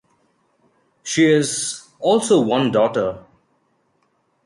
She has also one daughter.